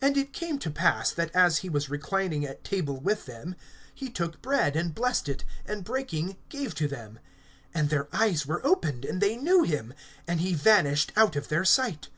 (30)And it came to pass, that as he was reclining at table with them, he took bread, and blessed it, and breaking, gave to them. (31)And their eyes were opened, and they knew him; and he vanished out of their sight.